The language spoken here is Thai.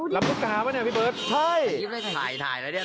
รับลูกกาวะเนี่ยพี่เบิร์ต